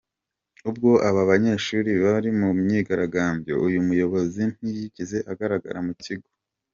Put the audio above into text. Ubwo aba banyeshuri bari mu myigaragambyo, uyu muyobozi ntiyigeze agaragara mu kigo.